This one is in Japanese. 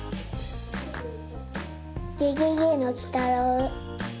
ゲゲゲのきたろう。